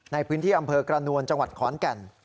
ในพื้นที่อำเภอกระนวลจังหวัดขอนแก่น